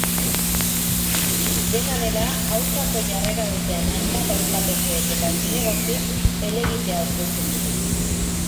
Dena dela, aurkako jarrera duten hainbat auzapezek eta zinegotzik helegitea aurkeztu zuten.